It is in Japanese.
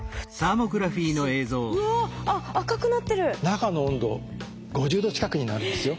中の温度５０℃近くになるんですよ。